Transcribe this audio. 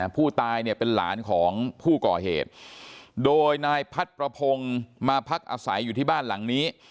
ผู้ตายเนี่ยเป็นหลานของผู้ก่อเหตุโดยนายพัดประพงศ์มาพักอาศัยอยู่ที่บ้านหลังนี้